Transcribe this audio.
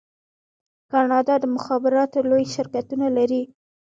کاناډا د مخابراتو لوی شرکتونه لري.